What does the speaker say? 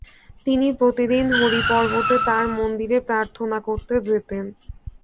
তিনি প্রতিদিন হরি পর্বতে তাঁর মন্দিরে প্রার্থনা করতে যেতেন।